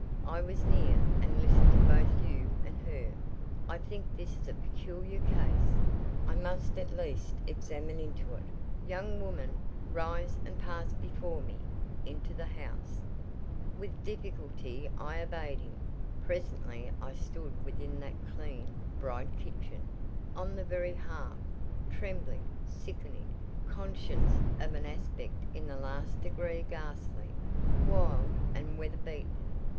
I was near, and listened to both you and her. I think this is a peculiar case—I must at least examine into it. Young woman, rise, and pass before me into the house." Hush, Hannah; I have a word to say to the woman With difficulty I obeyed him. Presently I stood within that clean, bright kitchen—on the very hearth—trembling, sickening; conscious of an aspect in the last degree ghastly, wild, and weather beaten.